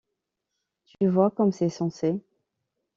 Tu vois comme c’est sensé!